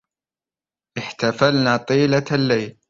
احتفلنا طيلة الليل